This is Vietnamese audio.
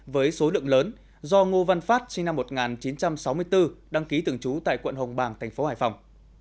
với số lượng lớn do ngô văn phát sinh năm một nghìn chín trăm sáu mươi bốn đăng ký thường trú tại quận hồng bàng tp hải phòng